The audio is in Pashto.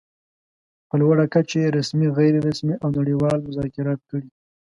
په لوړه کچه يې رسمي، غیر رسمي او نړۍوال مذاکرات کړي.